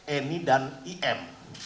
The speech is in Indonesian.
emi dan im